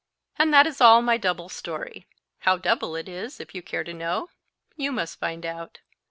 And that is all my double story. How double it is, if you care to know, you must find out.